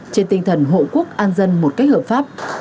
trên tinh thần hộ quốc an dân một cách hợp pháp